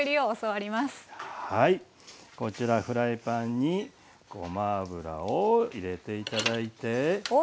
こちらフライパンにごま油を入れて頂いて。